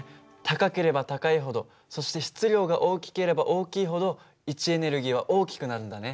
高ければ高いほどそして質量が大きければ大きいほど位置エネルギーは大きくなるんだね。